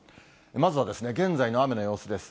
まずは現在の雨の様子です。